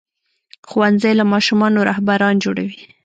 ښوونځی له ماشومانو رهبران جوړوي.